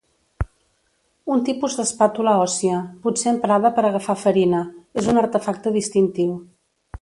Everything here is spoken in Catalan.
Un tipus d'espàtula òssia, potser emprada per agafar farina, és un artefacte distintiu.